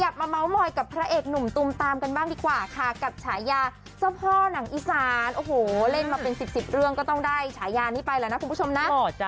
โดยเผลอโน้ตหมอนลำก็เลยเดียวนะ